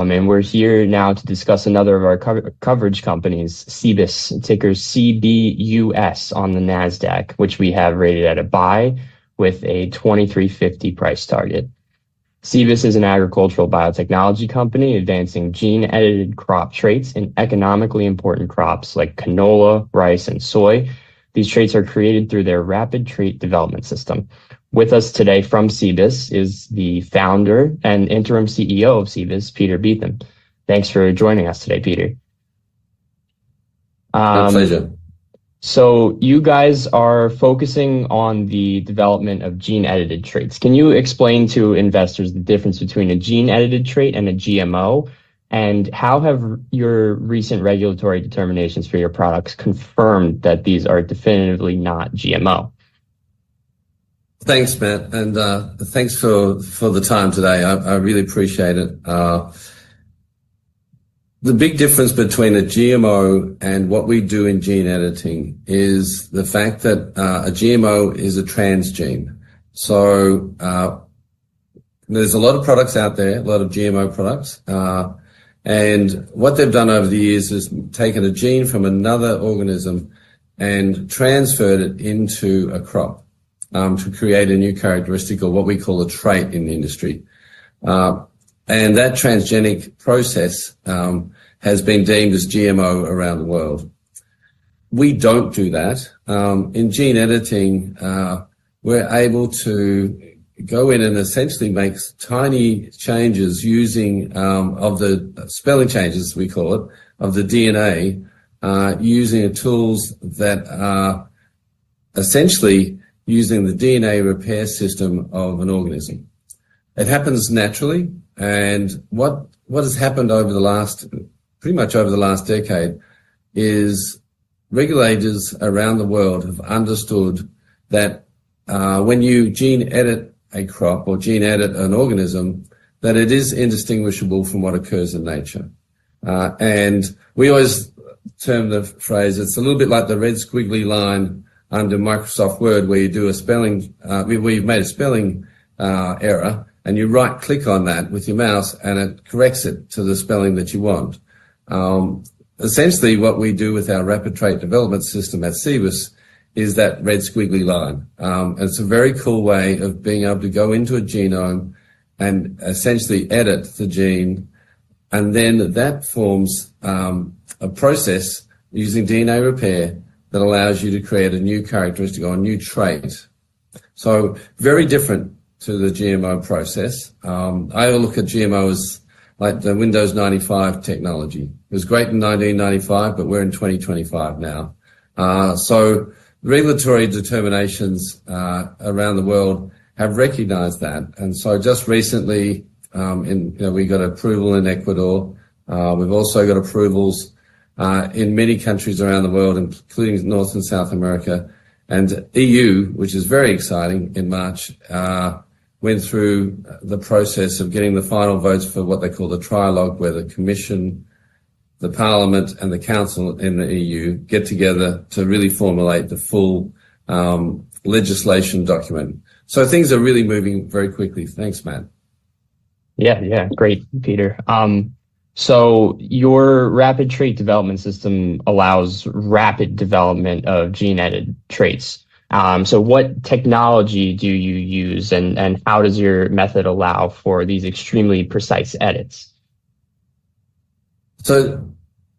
We're here now to discuss another of our coverage companies, Cibus, ticker CBUS on the NASDAQ, which we have rated at a buy with a $2,350 price target. Cibus is an agricultural biotechnology company advancing gene-edited crop traits in economically important crops like canola, rice, and soy. These traits are created through their Rapid Trait Development System. With us today from Cibus is the Founder and interim CEO of Cibus, Peter Beetham. Thanks for joining us today, Peter. My pleasure. You guys are focusing on the development of gene-edited traits. Can you explain to investors the difference between a gene-edited trait and a GMO, and how have your recent regulatory determinations for your products confirmed that these are definitively not GMO? Thanks, Matt. Thanks for the time today. I really appreciate it. The big difference between a GMO and what we do in gene editing is the fact that a GMO is a transgene. There are a lot of products out there, a lot of GMO products. What they've done over the years is taken a gene from another organism and transferred it into a crop to create a new characteristic or what we call a trait in the industry. That transgenic process has been deemed as GMO around the world. We don't do that. In gene editing, we're able to go in and essentially make tiny changes using the spelling changes, we call it, of the DNA using tools that are essentially using the DNA repair system of an organism. It happens naturally. What has happened over the last, pretty much over the last decade, is regulators around the world have understood that when you gene edit a crop or gene edit an organism, that it is indistinguishable from what occurs in nature. We always term the phrase, it's a little bit like the red squiggly line under Microsoft Word where you do a spelling. We've made a spelling error, and you right-click on that with your mouse, and it corrects it to the spelling that you want. Essentially, what we do with our Rapid Trait Development System at Cibus is that red squiggly line. It's a very cool way of being able to go into a genome and essentially edit the gene, and then that forms a process using DNA repair that allows you to create a new characteristic or a new trait. Very different to the GMO process. I look at GMOs like the Windows 95 technology. It was great in 1995, but we're in 2025 now. Regulatory determinations around the world have recognized that. Just recently, we got approval in Ecuador. We've also got approvals in many countries around the world, including North America and South America. The EU, which is very exciting, in March went through the process of getting the final votes for what they call the trialogue, where the Commission, the Parliament, and the Council in the EU get together to really formulate the full legislation document. Things are really moving very quickly. Thanks, Matt. Yeah, yeah. Great, Peter. So your Rapid Trait Development System allows rapid development of gene-edited traits. What technology do you use, and how does your method allow for these extremely precise edits?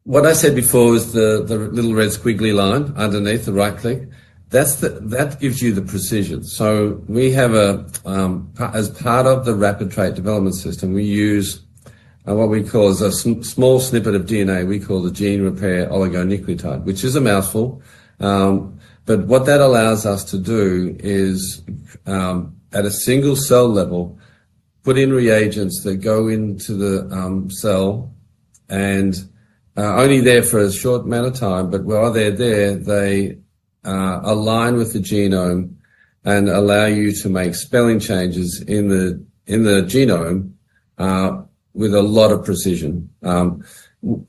What I said before was the little red squiggly line underneath the right click. That gives you the precision. As part of the Rapid Trait Development System, we use what we call a small snippet of DNA we call the gene repair oligonucleotide, which is a mouthful. What that allows us to do is, at a single cell level, put in reagents that go into the cell and only there for a short amount of time. While they are there, they align with the genome and allow you to make spelling changes in the genome with a lot of precision. That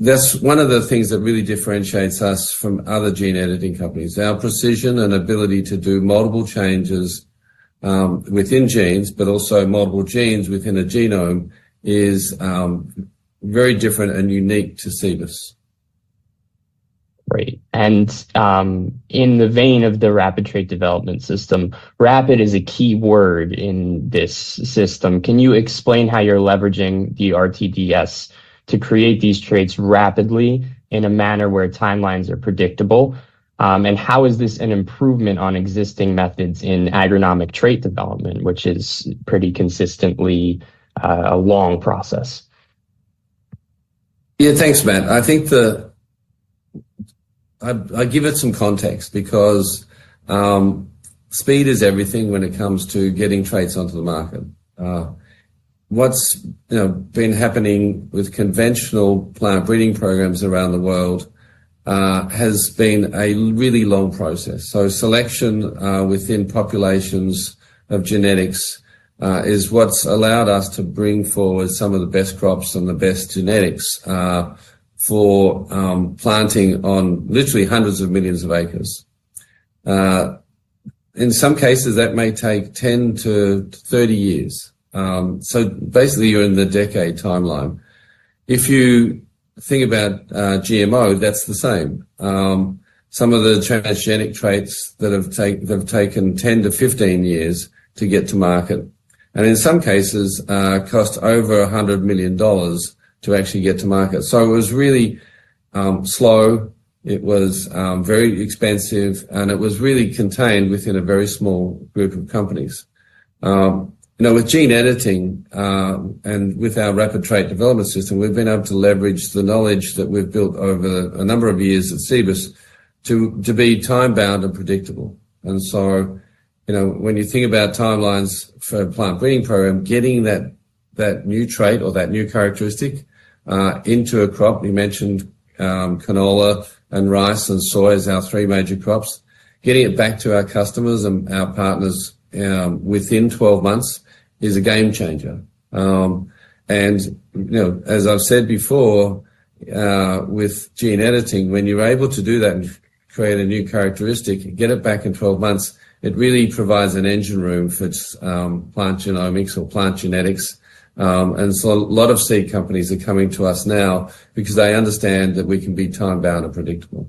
is one of the things that really differentiates us from other gene editing companies. Our precision and ability to do multiple changes within genes, but also multiple genes within a genome, is very different and unique to Cibus. Great. In the vein of the Rapid Trait Development System, rapid is a key word in this system. Can you explain how you're leveraging the RTDS to create these traits rapidly in a manner where timelines are predictable? How is this an improvement on existing methods in agronomic trait development, which is pretty consistently a long process? Yeah, thanks, Matt. I'll give it some context because speed is everything when it comes to getting traits onto the market. What's been happening with conventional plant breeding programs around the world has been a really long process. Selection within populations of genetics is what's allowed us to bring forward some of the best crops and the best genetics for planting on literally hundreds of millions of acres. In some cases, that may take 10-30 years. Basically, you're in the decade timeline. If you think about GMO, that's the same. Some of the transgenic traits have taken 10-15 years to get to market and in some cases cost over $100 million to actually get to market. It was really slow. It was very expensive, and it was really contained within a very small group of companies. With gene editing and with our Rapid Trait Development System, we've been able to leverage the knowledge that we've built over a number of years at Cibus to be time-bound and predictable. When you think about timelines for a plant breeding program, getting that new trait or that new characteristic into a crop, you mentioned canola and rice and soy as our three major crops, getting it back to our customers and our partners within 12 months is a game changer. As I've said before, with gene editing, when you're able to do that and create a new characteristic and get it back in 12 months, it really provides an engine room for plant genomics or plant genetics. A lot of seed companies are coming to us now because they understand that we can be time-bound and predictable.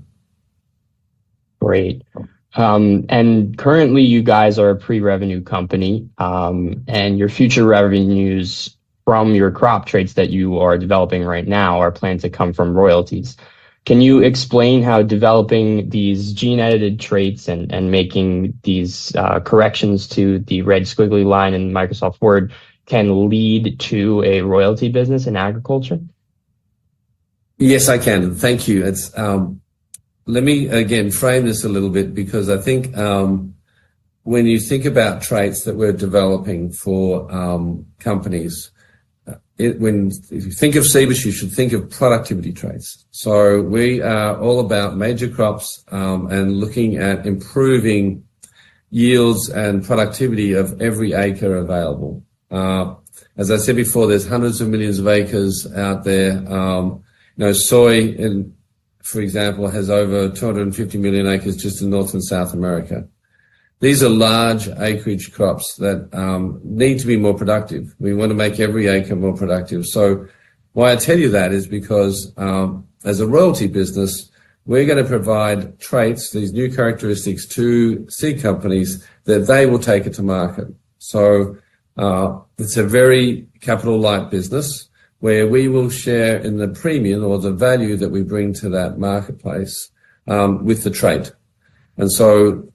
Great. Currently, you guys are a pre-revenue company, and your future revenues from your crop traits that you are developing right now are planned to come from royalties. Can you explain how developing these gene-edited traits and making these corrections to the red squiggly line in Microsoft Word can lead to a royalty business in agriculture? Yes, I can. Thank you. Let me again frame this a little bit because I think when you think about traits that we're developing for companies, when you think of Cibus, you should think of productivity traits. We are all about major crops and looking at improving yields and productivity of every acre available. As I said before, there are hundreds of millions of acres out there. Soy, for example, has over 250 million acres just in North America and South America. These are large acreage crops that need to be more productive. We want to make every acre more productive. Why I tell you that is because as a royalty business, we're going to provide traits, these new characteristics to seed companies that they will take to market. It is a very capital-light business where we will share in the premium or the value that we bring to that marketplace with the trait. A part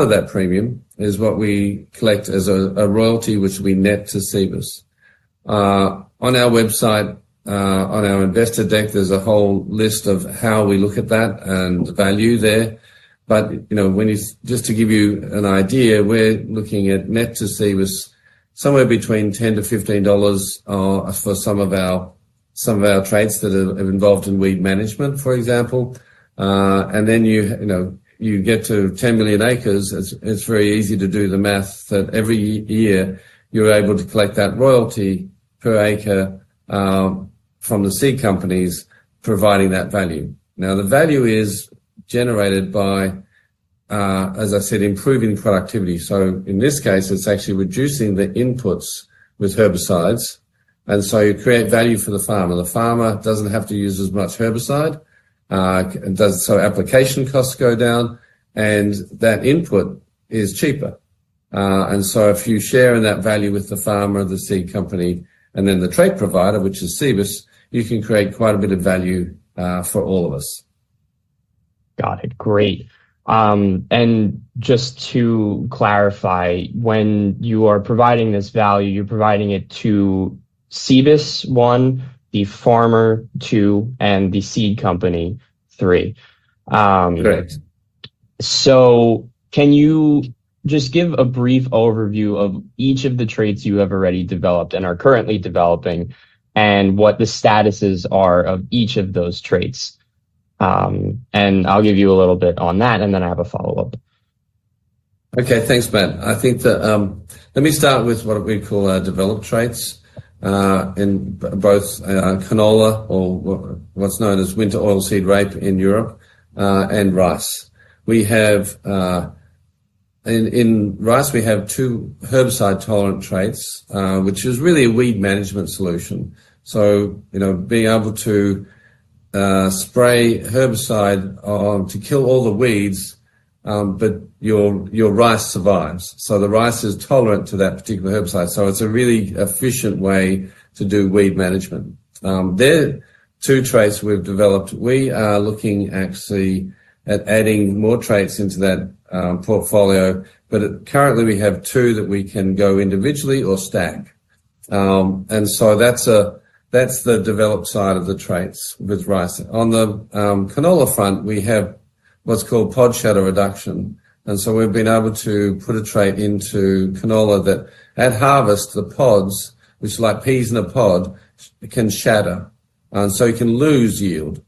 of that premium is what we collect as a royalty, which we net to Cibus. On our website, on our investor deck, there is a whole list of how we look at that and the value there. Just to give you an idea, we are looking at net to Cibus somewhere between $10-$15 for some of our traits that are involved in weed management, for example. You get to 10 million acres. It is very easy to do the math that every year you are able to collect that royalty per acre from the seed companies providing that value. The value is generated by, as I said, improving productivity. In this case, it's actually reducing the inputs with herbicides. You create value for the farmer. The farmer doesn't have to use as much herbicide, so application costs go down, and that input is cheaper. If you share in that value with the farmer, the seed company, and then the trait provider, which is Cibus, you can create quite a bit of value for all of us. Got it. Great. And just to clarify, when you are providing this value, you're providing it to Cibus one, the farmer two, and the seed company three. Correct. Can you just give a brief overview of each of the traits you have already developed and are currently developing and what the statuses are of each of those traits? I will give you a little bit on that, and then I have a follow-up. Okay. Thanks, Matt. I think that let me start with what we call developed traits, both canola or what's known as winter oilseed rape in Europe and rice. In rice, we have two herbicide-tolerant traits, which is really a weed management solution. Being able to spray herbicide to kill all the weeds, but your rice survives. The rice is tolerant to that particular herbicide. It is a really efficient way to do weed management. There are two traits we've developed. We are looking actually at adding more traits into that portfolio, but currently, we have two that we can go individually or stack. That is the developed side of the traits with rice. On the canola front, we have what's called pod shatter reduction. We have been able to put a trait into canola that at harvest, the pods, which are like peas in a pod, can shatter. You can lose yield.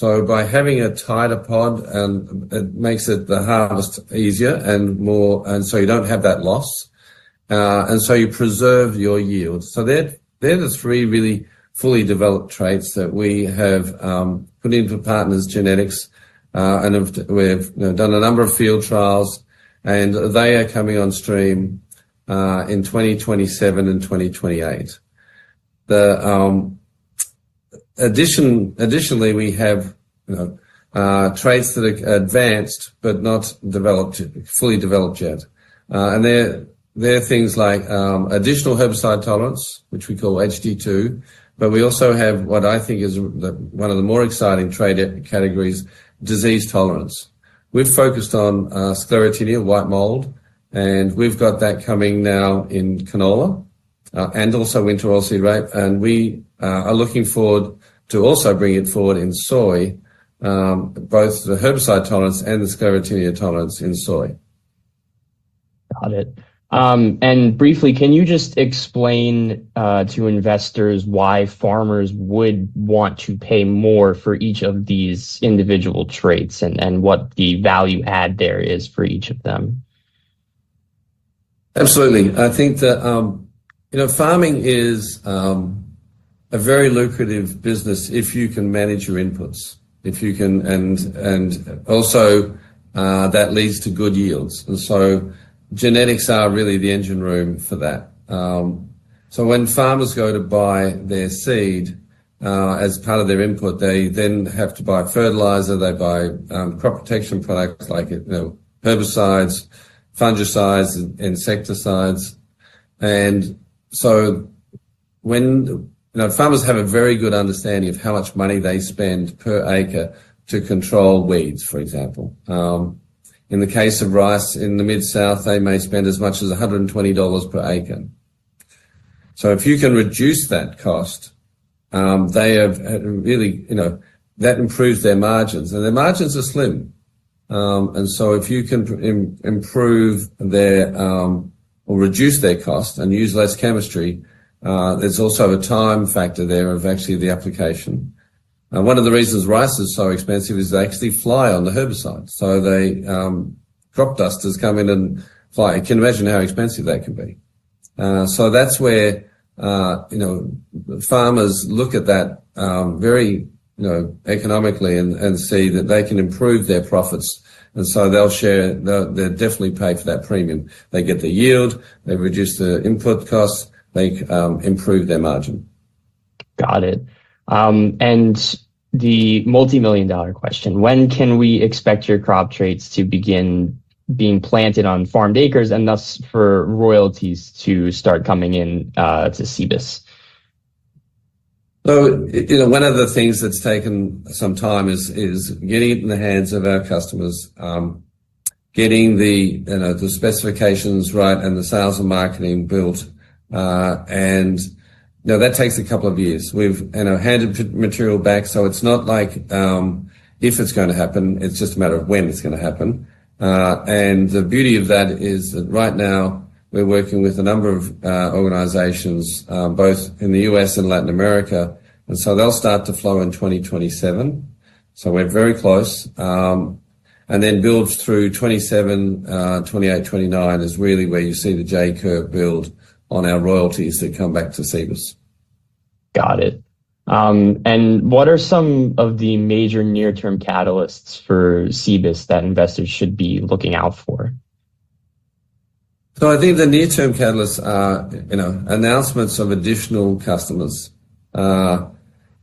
By having a tighter pod, it makes the harvest easier and more, and you do not have that loss. You preserve your yield. They are the three really fully developed traits that we have put into partners' genetics, and we have done a number of field trials, and they are coming on stream in 2027 and 2028. Additionally, we have traits that are advanced but not fully developed yet. They are things like additional herbicide tolerance, which we call HD2, but we also have what I think is one of the more exciting trait categories, disease tolerance. We have focused on sclerotinia, white mold, and we have that coming now in canola and also winter oilseed rape. We are looking forward to also bringing it forward in soy, both the herbicide tolerance and the sclerotinia tolerance in soy. Got it. Briefly, can you just explain to investors why farmers would want to pay more for each of these individual traits and what the value add there is for each of them? Absolutely. I think that farming is a very lucrative business if you can manage your inputs, and also that leads to good yields. Genetics are really the engine room for that. When farmers go to buy their seed as part of their input, they then have to buy fertilizer. They buy crop protection products like herbicides, fungicides, insecticides. Farmers have a very good understanding of how much money they spend per acre to control weeds, for example. In the case of rice in the Mid-South, they may spend as much as $120 per acre. If you can reduce that cost, that improves their margins. Their margins are slim. If you can improve or reduce their cost and use less chemistry, there is also a time factor there of actually the application. One of the reasons rice is so expensive is they actually fly on the herbicide. Crop dusters come in and fly. You can imagine how expensive that can be. That is where farmers look at that very economically and see that they can improve their profits. They will definitely pay for that premium. They get the yield. They reduce the input costs. They improve their margin. Got it. The multi-million dollar question. When can we expect your crop traits to begin being planted on farmed acres and thus for royalties to start coming in to Cibus? One of the things that's taken some time is getting it in the hands of our customers, getting the specifications right and the sales and marketing built. That takes a couple of years. We've handed material back, so it's not like if it's going to happen. It's just a matter of when it's going to happen. The beauty of that is that right now, we're working with a number of organizations, both in the U.S. and Latin America. They'll start to flow in 2027. We're very close. Then build through 2027, 2028, 2029 is really where you see the J-curve build on our royalties that come back to Cibus. Got it. What are some of the major near-term catalysts for Cibus that investors should be looking out for? I think the near-term catalysts are announcements of additional customers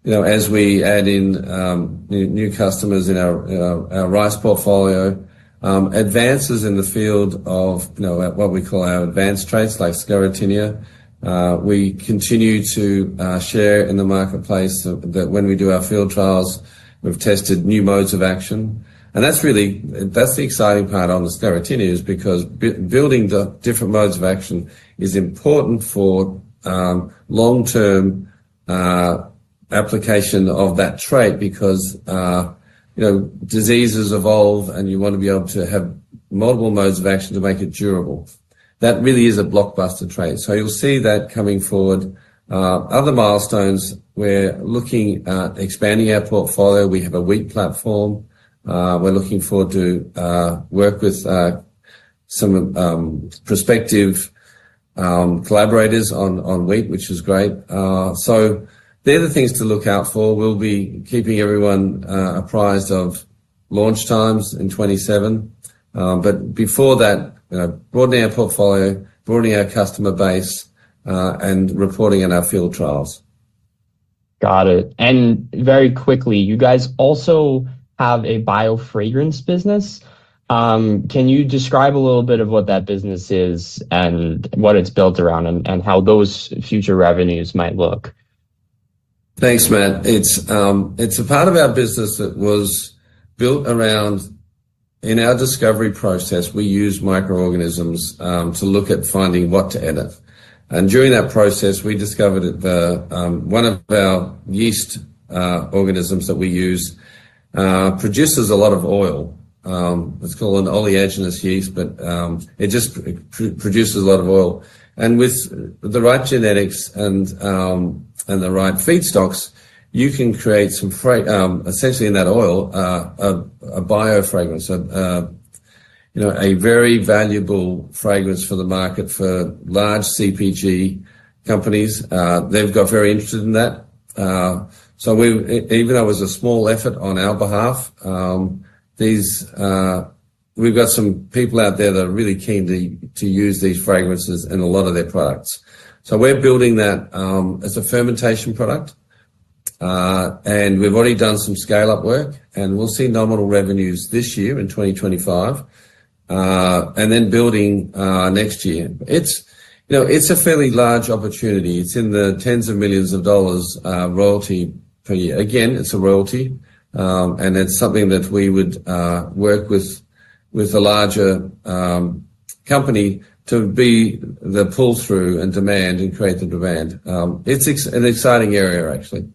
as we add in new customers in our rice portfolio, advances in the field of what we call our advanced traits like sclerotinia. We continue to share in the marketplace that when we do our field trials, we've tested new modes of action. That's the exciting part on the sclerotinia, because building the different modes of action is important for long-term application of that trait, because diseases evolve, and you want to be able to have multiple modes of action to make it durable. That really is a blockbuster trait. You'll see that coming forward. Other milestones, we're looking at expanding our portfolio. We have a wheat platform. We're looking forward to work with some prospective collaborators on wheat, which is great. They're the things to look out for. We'll be keeping everyone apprised of launch times in 2027. Before that, broadening our portfolio, broadening our customer base, and reporting on our field trials. Got it. And very quickly, you guys also have a biofragrance business. Can you describe a little bit of what that business is and what it's built around and how those future revenues might look? Thanks, Matt. It's a part of our business that was built around in our discovery process, we use microorganisms to look at finding what to edit. During that process, we discovered that one of our yeast organisms that we use produces a lot of oil. It's called an oleaginous yeast, but it just produces a lot of oil. With the right genetics and the right feedstocks, you can create some, essentially in that oil, a biofragrance, a very valuable fragrance for the market for large CPG companies. They've got very interested in that. Even though it was a small effort on our behalf, we've got some people out there that are really keen to use these fragrances in a lot of their products. We're building that as a fermentation product, and we've already done some scale-up work, and we'll see nominal revenues this year in 2025 and then building next year. It's a fairly large opportunity. It's in the tens of millions of dollars royalty per year. Again, it's a royalty, and it's something that we would work with a larger company to be the pull-through and create the demand. It's an exciting area, actually.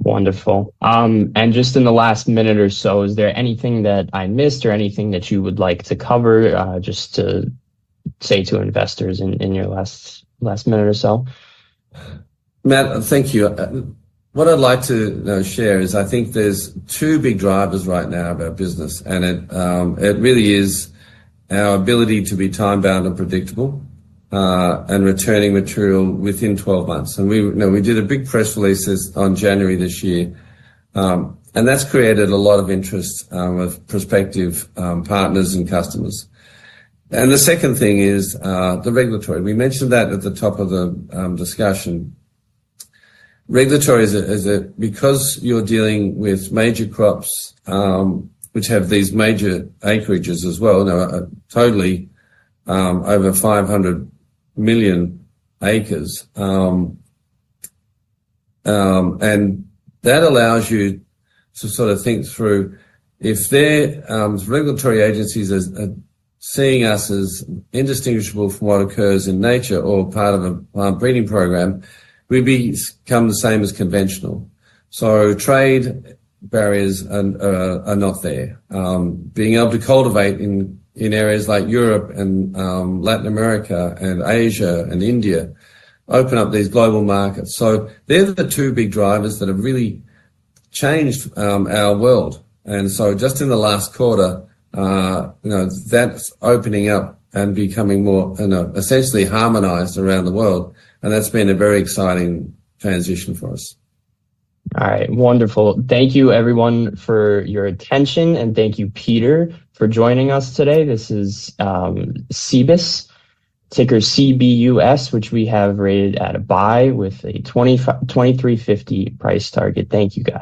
Wonderful. In just the last minute or so, is there anything that I missed or anything that you would like to cover just to say to investors in your last minute or so? Matt, thank you. What I'd like to share is I think there's two big drivers right now of our business, and it really is our ability to be time-bound and predictable and returning material within 12 months. We did a big press release on January this year, and that's created a lot of interest with prospective partners and customers. The second thing is the regulatory. We mentioned that at the top of the discussion. Regulatory is that because you're dealing with major crops, which have these major acreages as well, totaling over 500 million acres, and that allows you to sort of think through if the regulatory agencies are seeing us as indistinguishable from what occurs in nature or part of a plant breeding program, we become the same as conventional. Trade barriers are not there. Being able to cultivate in areas like the EU and Latin America and Asia and India open up these global markets. They are the two big drivers that have really changed our world. Just in the last quarter, that is opening up and becoming more essentially harmonized around the world. That has been a very exciting transition for us. All right. Wonderful. Thank you, everyone, for your attention, and thank you, Peter, for joining us today. This is Cibus, ticker CBUS, which we have rated at a buy with a $2,350 price target. Thank you, guys.